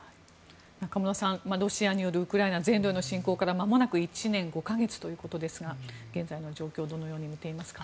中室さん、ロシアによるウクライナ全土への侵攻からまもなく１年５か月ということですが現在の状況をどのように見ていますか？